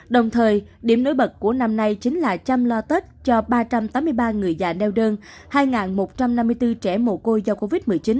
đồng thời điểm nối bật của năm nay chính là chăm lo tết cho ba trăm tám mươi ba người già neo đơn hai một trăm năm mươi bốn trẻ mồ côi do covid một mươi chín